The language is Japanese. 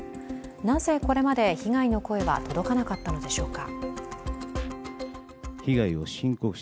なぜ、これまで被害の声は届かなかったのでしょうか。